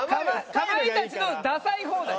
かまいたちのダサい方。